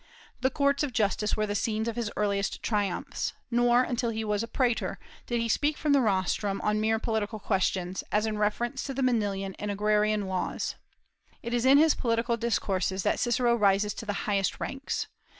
The courts of justice were the scenes of his earliest triumphs; nor until he was praetor did he speak from the rostrum on mere political questions, as in reference to the Manilian and Agrarian laws. It is in his political discourses that Cicero rises to the highest ranks.